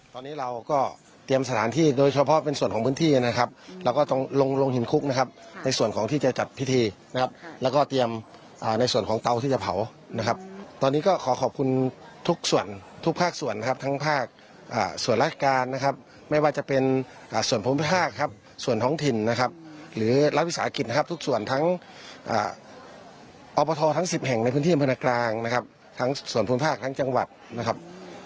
ต่อทั้ง๑๐แห่งในพื้นที่พนกลางนะครับทั้งส่วนภูมิภาคทั้งจังหวัดนะครับ